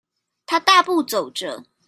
他大步走著